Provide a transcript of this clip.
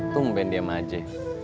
tumbang diam aja